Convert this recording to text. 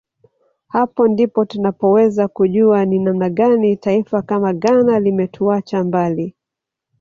Hapo ndipo tunapoweza kujua ni namna gani taifa kama Ghana limetuacha mbali